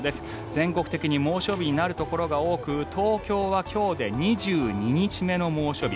全国的に猛暑日になるところが多く東京は今日で２２日目の猛暑日。